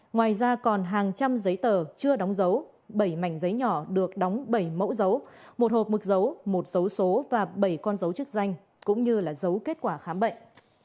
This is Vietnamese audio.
ngoài ra còn hàng trăm giấy tờ chưa đóng dấu bảy mảnh giấy nhỏ được đóng bảy mẫu dấu một hộp mực giấu một dấu số và bảy con dấu chức danh cũng như dấu kết quả khám bệnh